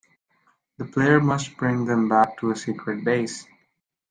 The player must bring them back to a secret base.